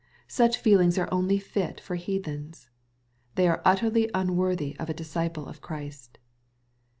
Such feel ings are only fit for heathens. They are utterly un worthy of a disciple of Christ.